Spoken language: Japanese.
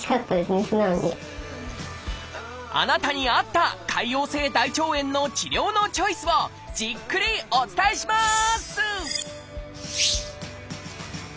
あなたに合った潰瘍性大腸炎の治療のチョイスをじっくりお伝えします！